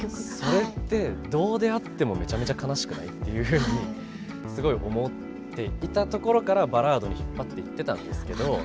それってどうであってもめちゃめちゃ悲しくない？っていうふうにすごい思っていたところからバラードに引っ張っていってたんですけど。